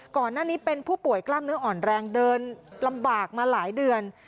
ก่อนหน้านี้เป็นผู้ป่วยกล้ามเนื้ออ่อนแรงเดินลำบากมาหลายเดือน